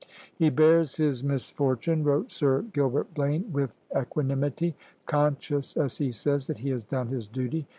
"He bears his misfortune," wrote Sir Gilbert Blane, "with equanimity; conscious, as he says, that he has done his duty....